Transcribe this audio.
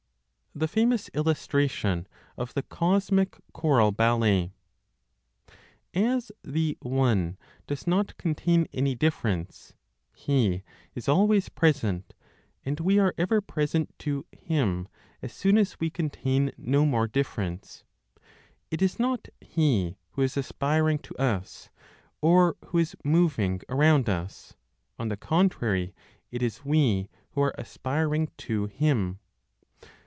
THE FAMOUS ILLUSTRATION OF THE COSMIC CHORAL BALLET. As the One does not contain any difference, He is always present; and we are ever present to Him as soon as we contain no more difference. It is not He who is aspiring to us, or who is moving around us; on the contrary, it is we who are aspiring to Him.